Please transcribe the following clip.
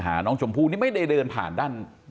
น้องชมพู่นี่ไม่ได้เดินผ่านด้าน